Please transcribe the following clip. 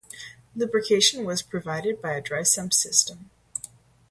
Lubrication was provided by a dry sump system.